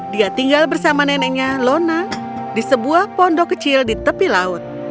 dia tinggal bersama neneknya lona di sebuah pondok kecil di tepi laut